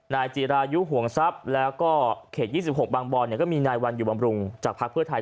จีรายุห่วงทรัพย์แล้วก็เขต๒๖บางบอลก็มีนายวันอยู่บำรุงจากภักดิ์เพื่อไทย